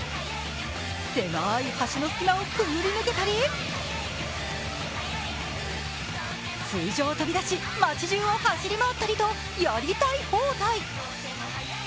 狭い橋の隙間をくぐり抜けたり、水上を飛び出し街じゅうを走り回ったりとやりたい放題。